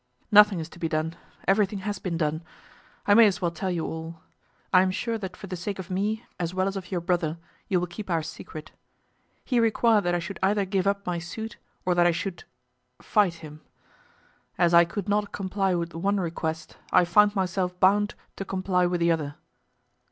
"Nothing is to be done. Everything has been done. I may as well tell you all. I am sure that for the sake of me, as well as of your brother, you will keep our secret. He required that I should either give up my suit, or that I should, fight him. As I could not comply with the one request, I found myself bound to comply with the other."